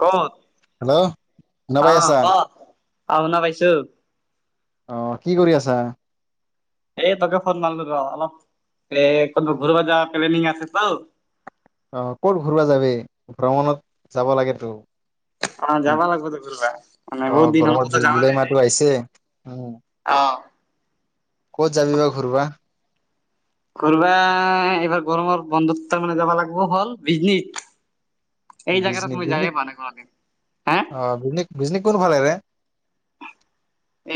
কওঁ, হেল্ল' শুনা পাই আছা অ' কওঁ অ' শুনা পাইছো। অহ, কি কৰি আছা? এই তাকে ফোন মাৰিলো ৰ অলপ এ কোন ঘৰুব যোৱা প্লেনিং আছে টো। অ ক'ত ঘূৰুৱা যাবি ভ্ৰমণত যাব লাগেতো। অ যাবা লাগিব ঘোৰবা, মানে অ বহুত দিন হ'ল গৰমৰ জু কত যাবা জুলাই নাই মাহটো যে। আহিছে উম অ। ক'ত যাবি বা ঘূৰবা? ঘোৰবা এইবাৰ গৰমৰ বন্ধত তাৰ মানে যাবা লাগিব হল [inaudible] এই বিজনী জাগাৰাত মই যায়ে বিজনীক পোৱা নাই, হা। অ ভিনিক বিজনী কোনফালে যায়?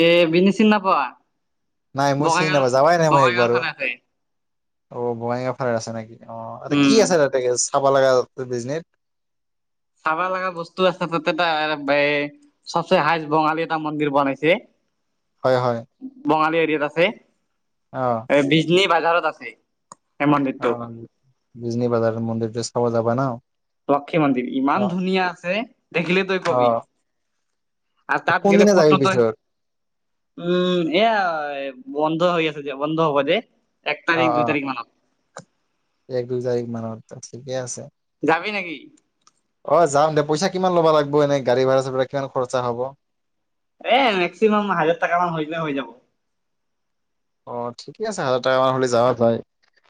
এ বিনি চি নাপোৱা? নাই মই চিনি বঙাইগাঁও নাপা, যাৱাই নাই মই বঙাইগাঁওৰ একবাৰো। ফালে আছে অ বঙাইগাঁও ফাল আছে নেকি, অ কি উম আছে তাতে চাব লগা টো বীজনিত? চাবা লাগা বস্তু আছে তাতে তাৰ এ চবচে হাইষ্ট বঙালী এটা মন্দিৰ বনাইছে। হয় হয়। বঙালী এৰিয়াত আছে। অহ। বিজনী বজাৰত আছে। এই অ মন্দিৰটো বিজনী বাজাৰ মন্দিৰটো চাব যাবা ন? লক্ষী মন্দিৰ অ ইমান আছে দেখিলে তই অ কবি। আৰু তাত গেলে কোনদিনা যাবি ফটো তই পিছত উম এয়া বন্ধ হৈ আছে যে বন্ধ হ'ব যে এক অ তাৰিখ দুই অ তাৰিখ মানত। এক দুই তাৰিখ মানত ঠিকে আছে। জাবি নেকি? অ যাম দে, পইচা কিমান লব লাগব এনে গাড়ী ভাড়া চাড়া কিমান খৰচা হব? এ মেক্সিমাম হাজাৰ টকা মান হৈলে হৈ যাব। অ ঠিকে আছে হাজাৰ টকা মান হলে যাৱা যায়।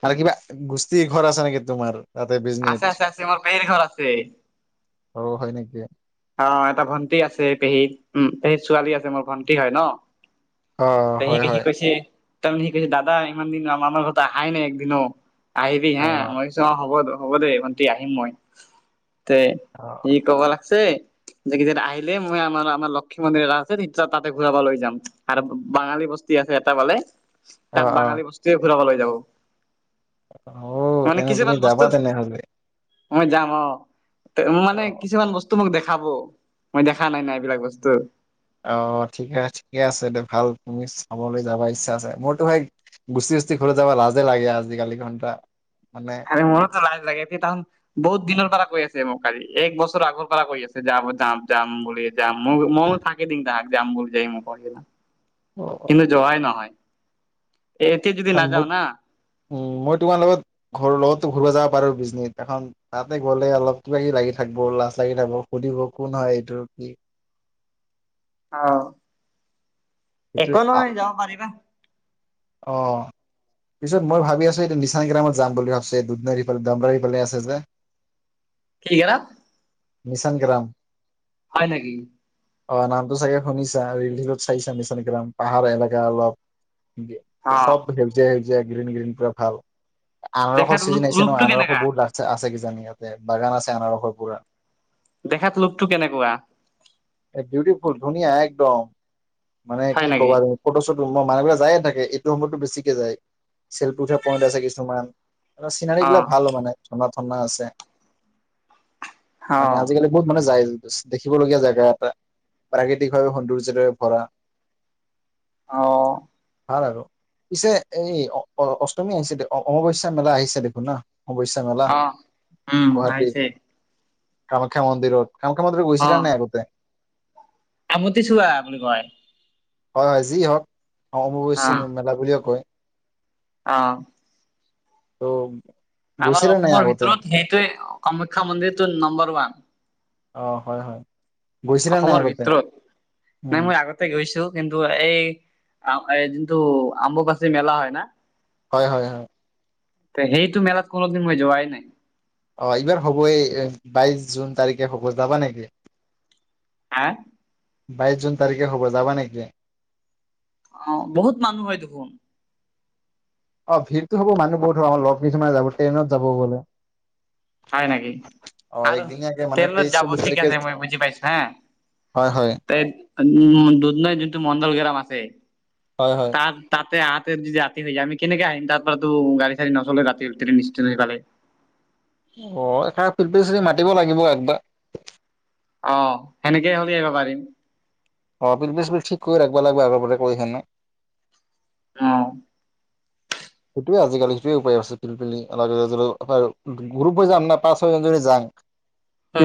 আৰু কিবা গোষ্ঠীঘৰ আছে নেকি তোমাৰ? তাতে আছে বিজনিত। আছে আছে মোৰ পেহীৰ ঘৰ আছে অ হয় নেকি? অ এটা ভণ্টি আছে পেহী উম পেহী ছোৱালী আছে মোৰ ভণ্টি হয় ন। অ পেহী হয় আহি হয় কৈছে তাৰমানে সি কৈছে দাদা ইমান দিন আমাৰ মাজত আহায়ে নাই একদিনো। আহিবি অ হা, মই কৈছো অ হ'ব হ'ব দে ভণ্টি আহিম মই। তে অ কি ক'ব লাগছে? যে কিতা আহিলে মই আমাৰ আমাৰ লক্ষী মন্দিৰ এটা আছে তেতিয়া তাতে ঘূৰাব লৈ যাম। আৰু বাঙালী বস্তি আছে এটা পালে, অ তাত অ বাঙালী বস্তুৱে ঘূৰাবলৈ যাব। অও মানে তেনেহ'লে তুমি কিছুমান যাবা বস্তু তেনেহলে। মই যাম অ, অ মানে কিছুমান বস্তু মোক দেখ খাব, মই দেখা নাই না এইবিলাক বস্তু। অ ঠিকে ঠিকে আছে দে ভাল তুমি চাবলৈ যাবা ইচ্ছা আছে, মোৰতো ভাই গুচি চুতী ঘৰত যাবা লাজে লাগে আজিকালি ঘণ্টা মানে মোৰটো লাজ লাগে এটি তান বহুত দিনৰ পৰা কৈ আছে মোক কালি এক বছৰ আগৰ পৰা কৈ আছে যাম যাম যাম বুলি। যাম ম মইয়ো থাকে দিম তাক যাম বোৰ যাই মোৰ পঢ়িলা। অ অহ। যোৱাই নহয়, এটি যদি নাযাওঁ না উম্, মই তোমাৰ লগত ঘৰৰ লগতো ঘূৰিব যাব পাৰোঁ, বিজনে এখনত। তাতে গ'লে অলপ কিবা-কিবি লাগি থাকিব, লাজ লাগি থাকিব, সুধিব কোন হয় এইটোৰ কি? অ', এইটোৱে একো আ নহয়, যাব পাৰিবা। অ', পিছত মই ভাবি আছোঁ, এইটো নিচানং গে্ৰামত যাম বুলি ভাবি আছোঁ। দুনাৰফে দমদাৰৰিফালে আছে যে। কি গেলাম? মিচাংগেলাম। হয় নেকি? অ', নামটো চাগে শুনিছাঁ! ৰিলিফত চাইছা মিছাংগেৰাম, পাহাৰ এলেকা অলপ। অ। চব সেউজিয়া সেউজীয়াই, গ্ৰীণ গ্ৰীণ, পুৰা ভাল। আনাৰসৰ দেখাত লোক চিজন আহিছে লোকটো নহয়, আনাৰসৰ কেনেকা বহুত লাগি আছে কিজানি ইয়াতে। বাগান আছে আনাৰসৰ পুৰা। দেখাত লোকটো কেনেকুৱা? বিউটিফুল, ধুনীয়া একদম, মানে হয় কি নেকি? কবা। ফটো চটো মই মানুহবিলাক যায়ে থাকে, এইটো সময়তো বেছিকে যায়। চেল্ফি উঠা পইণ্ট আছে কিছুমান। এ চিনাৰী অ। গিলা ভাল মানে, ঠাণ্ডা ঠাণ্ডা আছে। অ। মানে আজিকালি বহুত মানে যায়, দেখিবলগীয়া জেগা এটা। প্ৰাকৃতিকভাৱে সৌন্দৰ্যৰে ভৰা। অ', ভাল আৰু পিছে এই, অ'অষ্টমী আহিছে দে। অমাৱস্যা মেলা আহিছে দেখোন না। অবশ্যা মেলা, অ উম গুৱাহাটী। আহিছে কামাখ্যা মন্দিৰত, কামাখ্যা মন্দিৰত অ গৈছিলানে নাই আগতে। আমতি চোৱা, বুলি কয়। হয়, যি হওঁক। অ' অমাৱৈশ্যা মেলা বুলিওঁ কয়। অ', ত' আমাৰ গৈছিলা নাই অসমৰ আগতে ভিতৰত সেইটোৱে, কামাখ্যা মন্দিৰটো নম্বৰ ওৱান। অ', হয় হয়। গৈছিলা নাই অসমৰ আগতে ভিতৰত, নাই উম মই আগতে- তে গৈছোঁ, কিন্তু এই আ এইটো যোনটো অম্বুবাচী মেলা হয় না। হয় হয় হয়। সেইটো মেলাত কোনোদিন মই যোৱাই নাই। অ', এইবাৰ হ'বয়ে, বাইশ জুন তাৰিখে হ'ব, যাবা নেকি? অ', বাইশ জুন তাৰিখে হ'ব, যাবা নেকি? অ', বহুত মানুহ হয় দেখোন। অ', ভিৰতো হ'ব, মানুহ বহুত হ'ব। লগ কিছুমানে যাব, ট্ৰেইনত যাব বোলে। হয় নেকি, অ আৰু একদিনীয়াকে মানে তেইশ ট্ৰেইনত যাব চৌবিশ ঠিক তাৰিখে আছে, মই বুজি পাইছোঁ হা। হয় হয়। উম্, দুধ নাইট, যোনটো মণ্ডল গৰম আছে। হয় হয়। তাত, তাতে আঁতৰ যদি ৰাতি হৈ যায়, আমি কেনেকে আহিম। তাৰ পৰাতো গাড়ী চাৰী নচলে ৰাাঁতি, তে নিশ্চিত হৈ পালে। অ', এটা চি মাতিব লাগিব একবাৰ। অ', সেনেকেই হ'লে আহিব পাৰিম। অ', বিল বিচ ঠিক কৰি ৰাখিব লাগিব, আগতে কৈ স পিনে। অ', সেইটোৱে আজিকালি, সেইটোৱে উপায় আছে। গৰু যাম না, পাঁচ ছয়জনী যাম।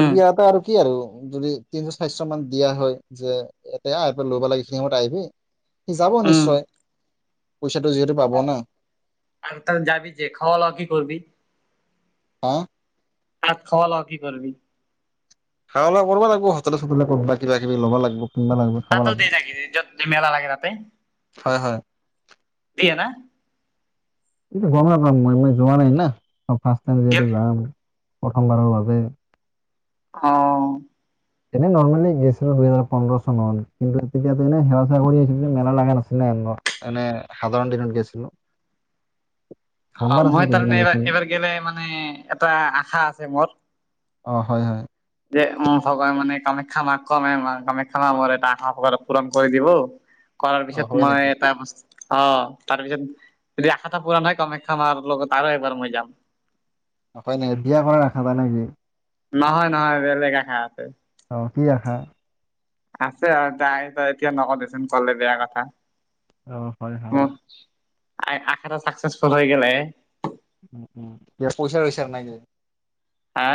উম আৰু কি আৰু যদি। তিনশ চাইশ মান দিয়া হয় যে এতিয়া লব লাগে সখিনি সময়ত আহিবি। যাব উম নিশ্চয় পইচাটো যিহেতু পাব ন। আৰু ত যাবি যে ঘৰ ল কি কৰিবি। অ'। তাত খ ল কি কৰবি। খাবা লাগা কৰিব লাগব হোটলে চোটলে ক'ৰবাত কিবা কিবি লব লাগিব কিনবা লাগিব। খাব তাতো দ লাগিব য কি য মেলা লাগে তাতে। হয় হয়। দিয়ে না। এইটো গম নাপাম মই মই যোৱা নাই না মই ফাৰ্ষ টাইম যিহেতু যাম। প্ৰথমবাৰৰ বাবে। অ' এনেই নৰ্মেলি গৈছিলোঁ। দুহেজাৰ পোন্ধৰ চনত কিন্তু তেতিয়া এনে সেৱা চেৱা কৰি আছিলোঁ মেলা চেলা লগা নাছিলে। মানে সাধাৰণ দিনত গৈছিলোঁ। [inaudible] অ মই সেইদিনা তাৰমানে এইবাৰ গৈছিলো এইবাৰ গেলে মানে এটা আশা আছে মোৰ। অ হয় হয়। যে অ ভগৱানে কামাখ্যা মাক কমে মা কামাখ্যা মা মোৰ এটা আশা পূৰণ কৰি দিব। কৰাৰ অ পিছত হয় মই নেকি এটা বচ অ তাৰপিছত যদি আশাটা পূৰাণ হয় কামাখ্যা মাৰ লগত আৰু এবাৰ মই যাম। নায় নেকি বিয়া কৰা আশা বা নেকি? নহয় নহয় বেলেগ আশা আছে। অ কি আশা? আছে আৰু তাই তই এতিয়া নকও দেচোন কলে বেয়া কথা। অ হয় হয়। এ আশাটা চাকচেচফুল হৈ গেলে, উ উ এ পইচা চইচাৰ নাকি? হা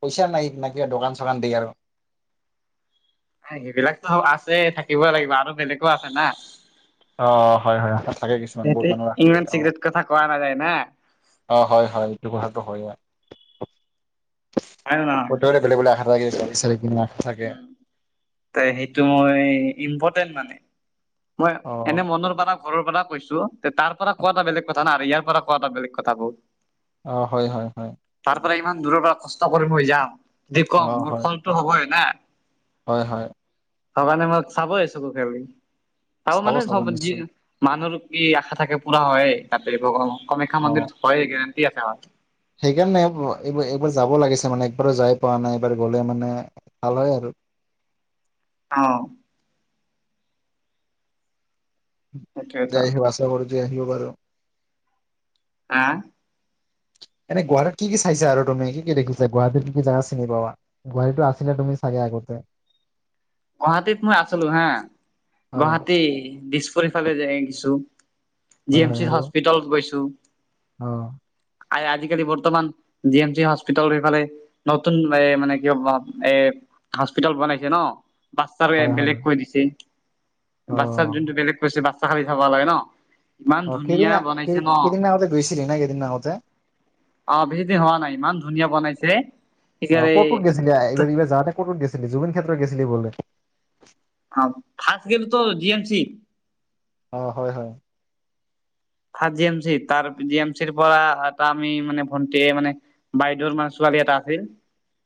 পইচা নাই নাকি দোকান চোকান দি আৰু, আ সেইবিলাকতো আছে থাকিবই লাগিব আৰু বেলেগো আছে না। অ হয় হয় আশা থাকে কিছুমান বহুত সেইটো মানুহৰ আশা ইমান থাকে অ, চিক্ৰেট কথা কোৱা নাযায় না অ হয় হয় এইটো কথাটো হয় অ, হয়নে নহয়? প্ৰত্যকৰে বেলেগ বেলেগ আশা থাকে [unintelligible] আশা থাকে। তে সেইটো মই ইম্পৰ্টেণ্ট মানে মই অ এনে মনৰ পাৰা, ঘৰৰ পাৰা কৈছো তে তাৰ পাৰা কোৱাটা বেলেগ কথা না আৰু ইয়াৰ পাৰা কোৱাটা বেলেগ কথা বহুত। অ হয় হয় হয়। তাৰ পাৰা ইমান দূৰৰ পৰা কষ্ট কৰি মই যাম দি অ কম মোৰ হয় ফলটো হ'বই না হয় হয়। ভগৱানে মোক চাবই চকু খেলি চাব মানে চব যি মানুহৰ কি আশা থাকে পুৰা হয়েই তাতে ভগ- কামাখ্যা অ মন্দিৰত হয়েই গেৰেণ্টি আছে হয়। সেইকাৰণে এ এইবাৰ এইবাৰ যাব লাগিছে মানে একবাৰো যাই পোৱা নাই একবাৰ গলে মানে ভাল হয় আৰু, অ সেইটোৱেতো যাইহক আশা কৰো যাই আহিব পাৰো। [inaudible] এনে গুৱাহাটীত কি কি চাইছা আৰু তুমি কি কি দেখিছা গুৱাহাটীৰত কি কি জাগা চিনি পাৱা? গুৱাহাটীটো আছিলা, তুমি চাগে আগতে? গুৱাহাটীত মই আছিলো হা, অ গুৱাহাটী দিছপুৰ ইফালে যাই আহিছো। জি, হয় এম, হয় চি, আৰু হস্পিতালত গৈছো। অ, আ, আ, আজিকালি বৰ্তমান জি, এম, চি, হস্পিটালৰ এইফালে নতুন এ, মানে কিবা এ, হস্পিতাল বনাইছে ন, হয় [inaudible] হয় বেলেগকৈ দিছে, বাচ্ছাৰ অ যোনটো বেলেগ কৰছে বাচ্ছা খালি চাবা লাগে ন, ইমান অ, ধুনীয়া কেইদিনা, বনাইছে ন কেইদিন আগতে গৈছিলি না, কেইদিন আগতে। অ, বেছিদিন হোৱা নাই, ইমান ধুনীয়া বনাইছে অ ক'ত ক'ত গেছিলি আ, এইবাৰ [inaudible] এইবাৰ যাওঁতে ক'ত,, ক'ত গৈছিলি, জুবিন ক্ষেত্ৰত গৈছিলি বোলে? অ, ফাষ্ট গেলুতো জি, এম, চি, অ, হয় হয়। হা, জি, এম, চি, তাৰ পি, জি, এম, চিৰ, পৰা এটা আমি মানে ভণ্টিয়ে মানে বাইদেউৰ মাৰ, ছোৱালী এটা আছিল।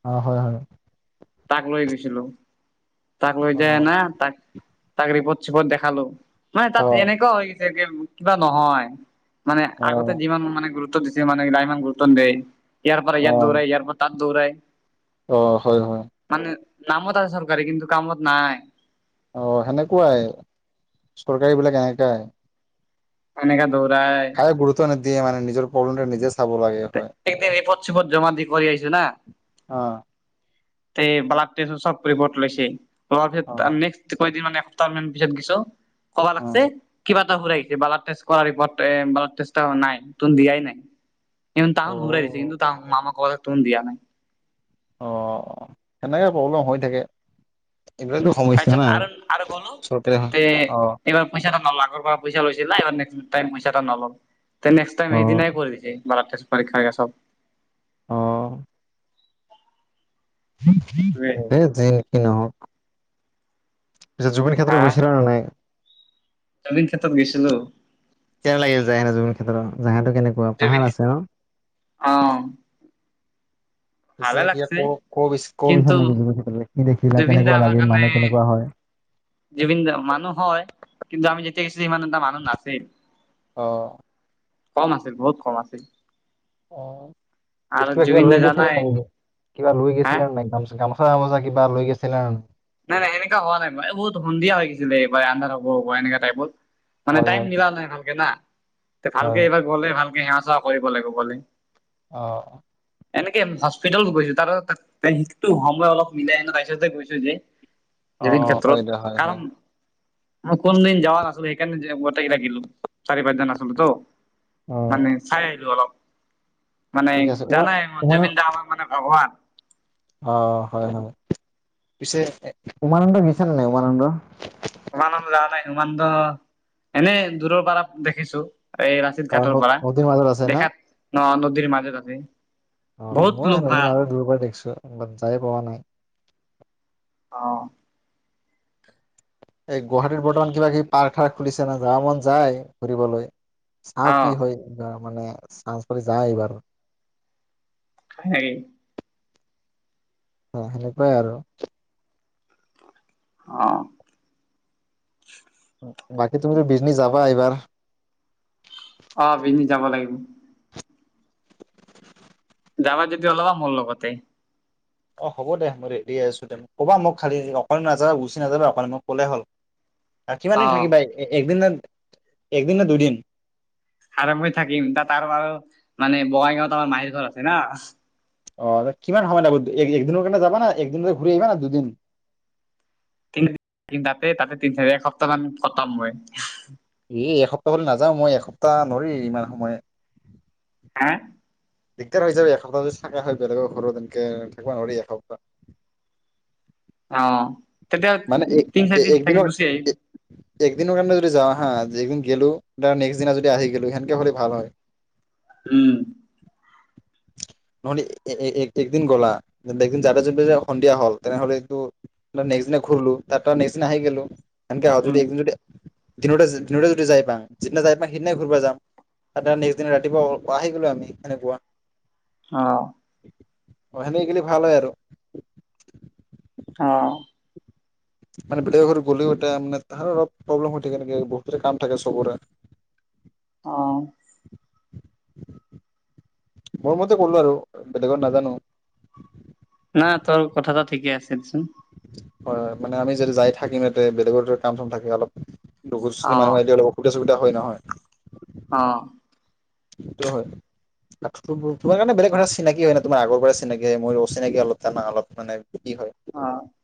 অ, হয় হয়। তাক লৈ গৈছিলো, তাক লৈ অ যায় হেনা তাক তাক ৰিপৰ্ট-চিপৰ্ট দেখালো, অ তাত এনেকুৱা হৈ গেছে যে, কিবা নহয়। মানে অ আগতে যিমান মানে গুৰুত্ব দিছে, মানে এতিয়া ইমান গুৰুত্ব নিদিয়ে, ইয়াৰ পৰা অ ইয়াত দৌৰাই, ইয়াৰ পৰা তাত দৌৰাই। অ, হয় হয়। মানে নামত আছে চৰকাৰে, কিন্তু কামত নাই। অ, সেনেকুৱাই চৰকাৰী বিলাক এনেকুৱাই। এনেকা দৌৰাই। কাই গুৰুত্ব নিদিয়ে মানে, নিজৰ প্ৰব্লেমট নিজে চাব লাগে। হয় এতে ৰিপৰ্ট-চিপৰ্ত জমা দি কৰি আহিছো না। অ তে, ব্লাড টেষ্ট চব, ৰিপৰ্ট ওলাইছে, তোমাৰ অ পিছত আমি [inaudible] এসপ্তাহ মান পিছত দিছো, ক'বা অ লাগছে কিবা [inaudible] ব্লাড টেষ্ট কৰা, ৰিপৰ্ট ব্লাড টেষ্টৰ নাই নতুন দিয়াই নাই। অ [inaudible] ঘূৰাই দিছে, কিন্তু তাহ মামা কয় নতুন দিয়া নাই। অ, সেনেকে প্ৰব্লেম হৈ থাকে, এইবিলাক সমস্যা তাৰপিছত আৰু আৰু ন, গ'লো চৰকাৰে তে অ, এইবাৰ পইচা, [inaudible] তে নেষ্ট টাইমে অ সেই দিনাই কৈ দিছে। ব্লাড টেষ্ট পৰীক্ষা এই, চব। অ, সেইটোৱে [inaudible] এই যি, কি, নহওঁক। পিছে, জুবিন হা ক্ষেত্ৰত গৈছিলা না, নাই? জুবিন ক্ষেত্ৰত গৈছিলো। কেনে লাগিল যাই, জুবিন ক্ষেত্ৰত জাগাটো কেনেকুৱা জুবিন পাহাৰ আছে ন? হয় আছে, ক, ক, ক, নেকি কি দেখিলা জুবিন দা কেনেকুৱা আমাৰ লাগিল কাৰণে মানুহ কেনেকুৱা হয়? [inaudible] মানুহ হয়, কিন্তু আমি যেতিয়া গেছো সিমান এটা মানুহ নাছিল। অ, কম আছিল, বহুত কম আছিল। অ আৰু কিবা কিবা জুবিন লৈ দা গৈছিলে জানাই নাই কিবা লৈ হা গৈছিলা নাই গামচা গাম, গামোচা চামোচা কিবা লৈ গৈছিলা? নাই নাই এনেকা হোৱা নাই বহুত সন্ধিয়া হৈ গেছিলে এইবাৰ আন্ধাৰ হব হব ইনেকা টাইপত। মানে হয় টাইম হয় মিলা নাই ভালকে না ভালকে হয় এইবাৰ গ'লে ভালকে সেৱা চেৱা কৰিব লাগিব গলে। অঁ এনেকে হস্পিতালত গৈছো [unintelligible] সময় অলপ মিলে এনে তা পিচতে গৈছো যে। অ', অ জুবিন হয় ক্ষেত্ৰত দে হয় হয় কাৰণ, মই কোনদিন যাৱা নাছিলো সেইকাৰণে গতেকেইতা গলো চাৰি পাঁচজন আছিলো তো অ', মানে চাই আহিলো অলপ মানে ঠিক আছে উমা জানাই ম উমা জুবিন দা আমাৰ মানে ভগৱান। অ হয় হয় পিছে উমানন্দ গেছা না নাই উমানন্দ? উমানন্দ যা নাই উমানন্দ এনে দূৰৰ পৰা দেখিছো এই ৰাছ লাচিত অ', ঘাটৰ পৰা নদীৰ মাজত আছে না দেখাত ন নদীৰ মাজত আছে। অ বহুত মই লোক সেই নদীৰ ভাল মাজত দূৰ পৰা দেখিছো বাট যায় পোৱা নাই। অ এ গুৱাহাটীত বৰ্তমান কিবা কিবি পাৰ্ক থাৰ খুলিছে নে যাব মন যায় ফুৰিবলৈ। চাওঁ অ কি হয় মানে চাঞ্চ পালে যায় আহিম আৰু। হেই হয় সেনেকুৱাই আৰু। অ বাকী তুমিতো বিজনী যাবা এইবাৰ। অ বিজনী যাব লাগিব। যাবা যদি উলাবা মোৰ লগতে। অ' হ'ব দে মই ৰেডিয়ে আছোঁ দে ক'বা মোক খালী অকলে নাযাও গুচি নাযাবা অকলে, মোক ক'লে হ'ল। কিমান অ দিন থাকিবা একদিন নে একদিন নে দুদিন। আৰাম হৈ থাকিম তাত আৰু মানে বঙাইগাঁৱত আমাৰ মাহীৰ আছে না। অ' কিমান সময় লাগব একদিনৰ কাৰণে যাবা একদিন ত ঘূৰি আহিবা না দুদিন। তাতে তাতে তিনি একসপ্তাহ মান কতাম মই। এ এসপ্তাহ হলে নাযাওঁ মই এসপ্তাহ নোৱাৰি ইমান সময়। হা? দিগদাৰ হৈ যাই এসপ্তাহ যদি থাকা হয় বেলেগৰ ঘৰত সেনেকে। তেনেকে থাকিব নোৱাৰি এসপ্তাহ। অ' তেতিয়া মানে এক তিনি চাৰি দিন একদিনৰ থাকি গুচি আহিম। একদিনৰ কাৰণে যদি যাওঁ আৰু এদিন গেলো নেক্সট দিনা যদি আহি গলোঁ। সেনেকে হ'লে ভাল হয়। উম নহলে এক একদিন গলা একদিন যাওতে যেতিয়া সন্ধিয়া হল তেনেহ'লে তো, নেক্সট দিনা ঘূলো। তাৰ পৰাৰা নেক্স দিনা আহি গলোঁ, সেনকে আৰু যদি উম একদিন যদি দিনতে দিনতে যদি যাই পা যিদিনা যাই পাওঁ সেইদিনাাই ঘূৰিব যাম। তাতে নেক্সট দিনা ৰাতিপুৱা আহি গলো আমি সেনেকুৱা। অ' অ' সেনেকে গিলি ভাল হয় আৰু। অ' মানে বেলেগ ঘৰত গ'লেও এটা মানে অলপ প্ৰব্লেম হৈ থাকে নেকি বহুতেৰে কাম থাকে চবৰে। অ মোৰ মতে কলো আৰু বেলেগত নাজানোঁ আৰু। না তোৰ কথাটা ঠিকে আছেচোন। হয় হয় মানে আমি যদি যাই থাকিম ইতে বেলেগৰটো কাম চাম থাকে অলপ। দুুখীচি অ মানুহ এ অসুবিধা চখুবিধা হয় নহয়। অ। সেইটোও হয়। তোমাৰ কাৰণে বেলেগ কথা চিনাকি হয় ন আগৰ পৰাই চিনাকি হয় মই অচিনাকি অলপান অলপ মানে কি হয়? অ।